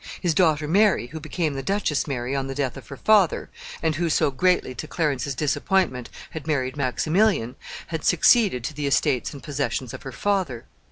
His daughter Mary, who became the Duchess Mary on the death of her father, and who, so greatly to Clarence's disappointment, had married Maximilian, had succeeded to the estates and possessions of her father.